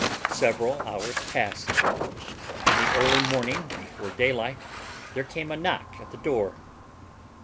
Several hours passed. In the early morning, before daylight, there came a knock at the door.